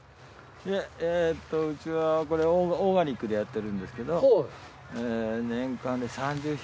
いやえっとうちはこれオーガニックでやってるんですけど。